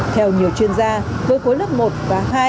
theo nhiều chuyên gia với khối lớp một và hai